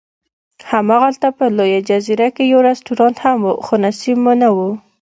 هماغلته په لویه جزیره کې یو رستورانت هم و، خو نصیب مو نه و.